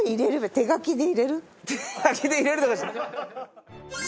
手書きで入れるとかじゃ。